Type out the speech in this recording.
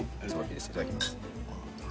いただきます。